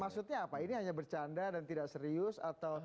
maksudnya apa ini hanya bercanda dan tidak serius atau